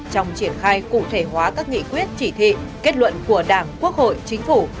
trong triển khai cụ thể hóa các nghị quyết chỉ thị kết luận của đảng quốc hội chính phủ